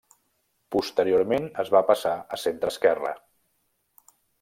Posteriorment es va passar a centreesquerra.